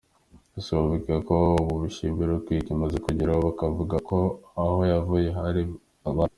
Gusa bavuga ko ubu bishimira urwego imaze kugeraho, bakavuga ko aho yavuye hari habi.